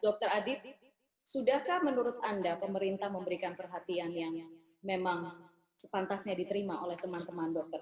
dr adit sudahkah menurut anda pemerintah memberikan perhatian yang memang sepantasnya diterima oleh teman teman dokter